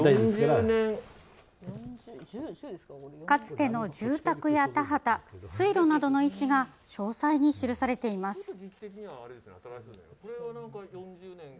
かつての住宅や田畑水路などの位置が詳細に記されています。